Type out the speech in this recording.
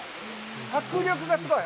迫力がすごい。